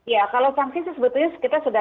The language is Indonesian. ya kalau sanksi sih sebetulnya kita sudah